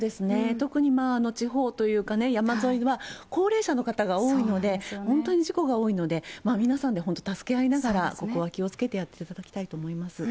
特に地方というかね、山沿いは高齢者の方が多いので、本当に事故が多いので、皆さんで本当、助け合いながら、ここは気をつけてやっていただきたいと思います。